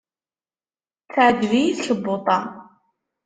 Teɛjeb-iyi tkebbuḍt-a.